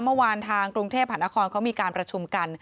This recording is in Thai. เมื่อวานทางกรุงเทพหานครเขามีการประชุมกัน